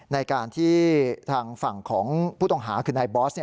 ในการที่ทางฝั่งของผู้ต้องหาคือนายบอส